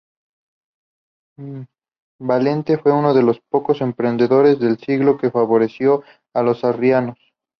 Valente fue uno de los pocos emperadores del siglo que favoreció a los arrianos.